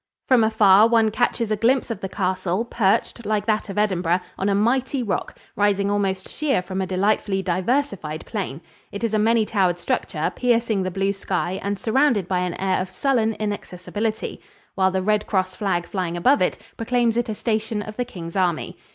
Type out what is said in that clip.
From afar one catches a glimpse of the castle, perched, like that of Edinburgh, on a mighty rock, rising almost sheer from a delightfully diversified plain. It is a many towered structure, piercing the blue sky and surrounded by an air of sullen inaccessibility, while the red cross flag flying above it proclaims it a station of the king's army.